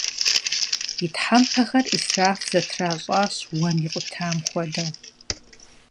И тхьэмпэхэр Ӏисраф зэтращӀащ, уэм икъутам хуэдэу.